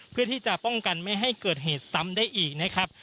เพื่อที่จะป้องกันไม่ให้เกิดเหตุซ้ำได้อีกนะครับ